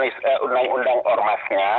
tapi spi itu dalam ketentuan undang undang ormasnya